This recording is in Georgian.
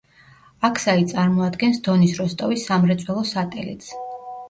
აქსაი წარმოადგენს დონის როსტოვის სამრეწველო სატელიტს.